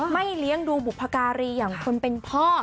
เลี้ยงดูบุพการีอย่างคนเป็นพ่อ